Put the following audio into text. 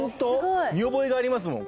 見覚えがあります